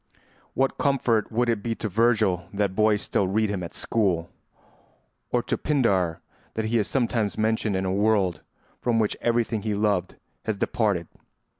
What comfort would it be to Virgil that boys still read him at school, or to Pindar that he is sometimes mentioned in a world from which everything he loved has departed?